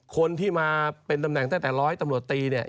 คนที่มาเป็นตำแหน่งตั้งแต่ร้อยตำรวจตีเนี่ย